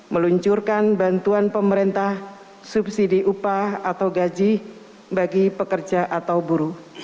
meluncurkan bantuan pemerintah subsidi upah atau gaji bagi pekerja atau buruh